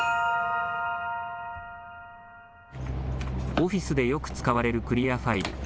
オフィスでよく使われるクリアファイル。